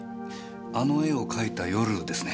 あの絵を描いた夜ですね。